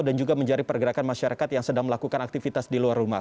dan juga menjari pergerakan masyarakat yang sedang melakukan aktivitas di luar rumah